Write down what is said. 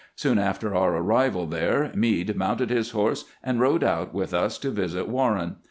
Soon after our ar rival there, Meade mounted his horse and rode out with us to visit Warren.